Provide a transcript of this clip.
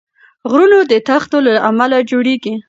غرونه د تختو له امله جوړېږي.